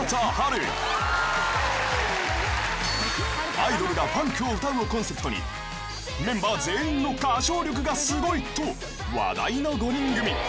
［「アイドルがファンクを歌う」をコンセプトにメンバー全員の歌唱力がすごいと話題の５人組］